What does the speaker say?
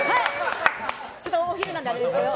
ちょっとお昼なんであれですけど。